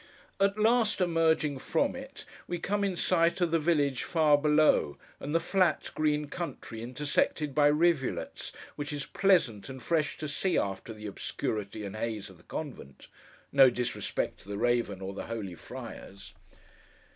At last emerging from it, we come in sight of the village far below, and the flat green country intersected by rivulets; which is pleasant and fresh to see after the obscurity and haze of the convent—no disrespect to the raven, or the holy friars.